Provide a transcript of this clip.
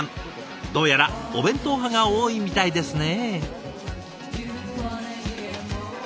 どうやらお弁当派が多いみたいですね。